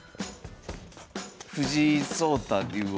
藤井聡太竜王。